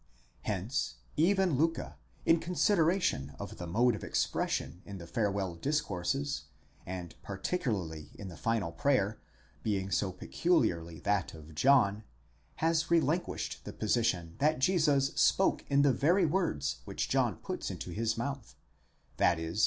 4# Hence even Liicke, in con sideration of the mode of expression in the farewell discourses, and _parti cularly in the final prayer, being so peculiarly that of John, has relinquished the position that Jesus spoke in the very words which John puts into his mouth, i.e.